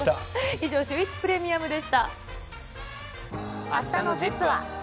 以上、シューイチプレミアムあしたのＺＩＰ！は。